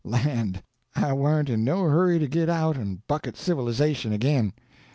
Land, I warn't in no hurry to git out and buck at civilization again.